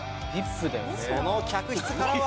その客室からは。